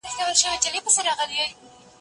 هغه وويل چي سفر ګټور دی!.